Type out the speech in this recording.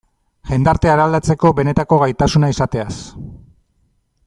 Jendartea eraldatzeko benetako gaitasuna izateaz.